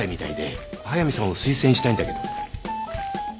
速見さんを推薦したいんだけど